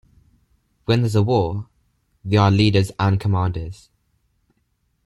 When there’s a war, they are leaders and commanders.